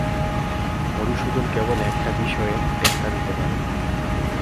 মধুসূদন কেবল একটা বিষয়ে টেক্কা দিতে পারে!